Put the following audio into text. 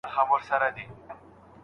که ما چاته د امتياز اجازه ورکولای.